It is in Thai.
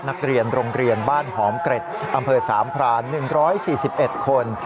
นักเรียนโรงเรียนบ้านหอมเกร็ดอำเภอสามพราน๑๔๑คน